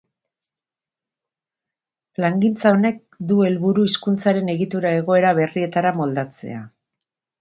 Plangintza honek du helburu hizkuntzaren egitura egoera berrietara moldatzea.